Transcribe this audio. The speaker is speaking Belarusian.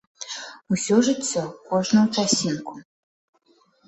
Усё жыццё, кожную часінку.